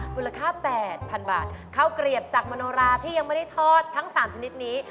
มูลค่า๘๐๐๐บาทข้าวเกลียบจากมโนราที่ยังไม่ได้ทอดทั้ง๓ชนิดนี้